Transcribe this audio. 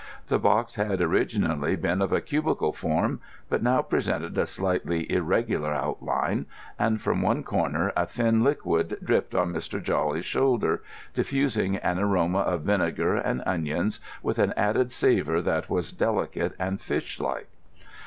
The box had originally been of a cubical form, but now presented a slightly irregular outline and from one corner a thin liquid dripped on Mr. Jawley's shoulder, diffusing an aroma of vinegar and onions with an added savour that was delicate and fish like.